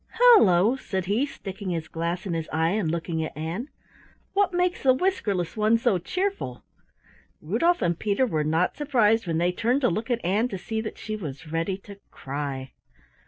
"Hullo," said he, sticking his glass in his eye and looking at Ann. "What makes the whiskerless one so cheerful?" Rudolf and Peter were not surprised when they turned to look at Ann to see that she was ready to cry.